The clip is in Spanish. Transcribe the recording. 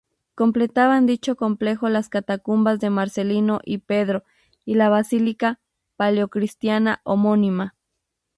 Completaban dicho complejo las catacumbas de Marcelino y Pedro y la basílica paleocristiana homónima.